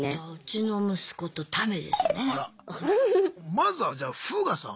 まずはじゃあフーガさん。